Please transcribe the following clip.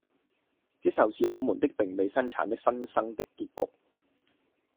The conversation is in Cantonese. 這就是我們的並未產生的《新生》的結局。